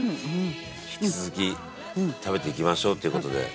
引き続き食べていきましょうという事で。